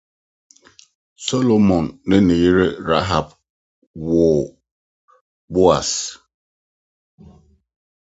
It is not known for sure who her mother was.